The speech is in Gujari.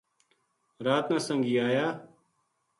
رات نا سنگی آیا